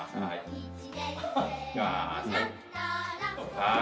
はい。